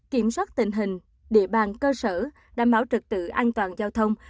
kiểm soát tình hình địa bàn cơ sở đảm bảo trực tự an toàn giao thông